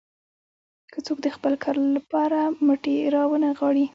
که څوک د خپل کار لپاره مټې راونه نغاړي.